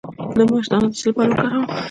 د ماش دانه د څه لپاره وکاروم؟